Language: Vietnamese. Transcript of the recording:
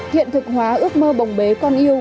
thiện thực hóa ước mơ bồng bế con yêu